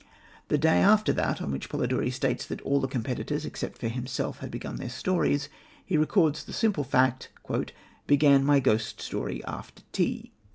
The day after that on which Polidori states that all the competitors, except himself, had begun their stories, he records the simple fact: "Began my ghost story after tea."